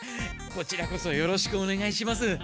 こちらこそよろしくおねがいします。